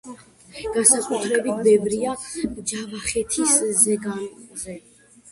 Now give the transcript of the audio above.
განსაკუთრებით ბევრია ჯავახეთის ზეგანზე.